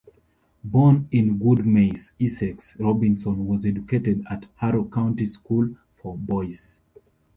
Born in Goodmayes, Essex, Robinson was educated at Harrow County School for Boys.